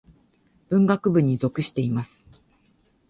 文学部に属しています。